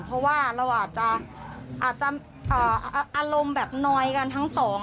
เพราะว่าเราอาจจะอารมณ์แบบนอยกันทั้งสอง